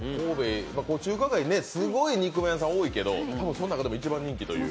中華街、すごい肉まん屋さん多いけどでも、その中でも一番人気という。